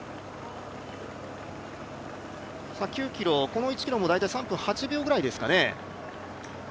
この１ｋｍも大体３分１秒ぐらいですかね。